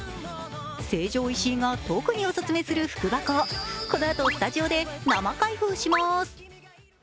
成城石井が特にオススメする福箱をこのあと、スタジオで生開封します。